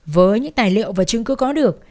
với những tài liệu và chứng cứ có được